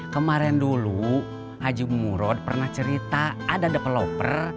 kemarin dulu haji murod pernah cerita ada developer